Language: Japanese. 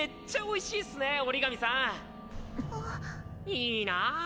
いいなぁ。